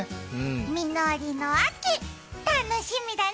実りの秋、楽しみだね。